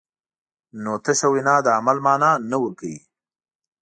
نو تشه وینا د عمل مانا نه ورکوي.